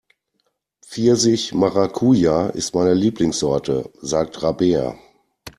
Pfirsich-Maracuja ist meine Lieblingssorte, sagt Rabea.